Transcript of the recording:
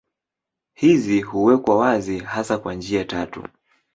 Hizi huwekwa wazi hasa kwa njia tatu.